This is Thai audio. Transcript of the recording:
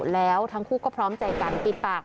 แล้วทั้งคู่ก็พร้อมใจกันปิดปาก